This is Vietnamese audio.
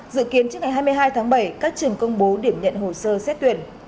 dự kiến trước ngày hai mươi hai tháng bảy các trường công bố điểm nhận hồ sơ xét tuyển